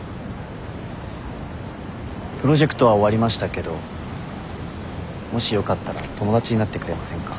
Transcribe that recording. プロジェクトは終わりましたけどもしよかったら友達になってくれませんか？